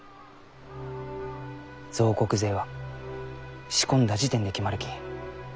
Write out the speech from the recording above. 造石税は仕込んだ時点で決まるき。